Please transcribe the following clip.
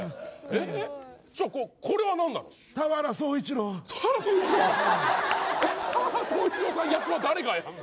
えっ田原総一朗さん役は誰がやんの？